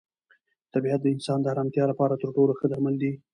طبیعت د انسان د ارامتیا لپاره تر ټولو ښه درمل دی.